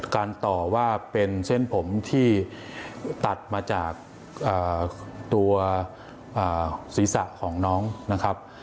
การต่อว่าเป็นเส้นผมที่ตัดมาจากตัวศีรษะของน้องนะครับ